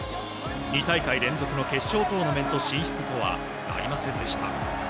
２大会連続の決勝トーナメント進出とはなりませんでした。